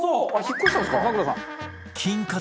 「引っ越したんですか？」